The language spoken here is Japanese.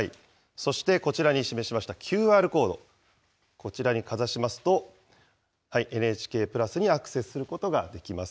そしてこちらに示しましたＱＲコード、こちらにかざしますと、ＮＨＫプラスにアクセスすることができます。